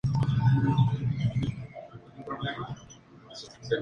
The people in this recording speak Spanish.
Es la mayor de siete hijos y actualmente vive en Franklin, Tennessee.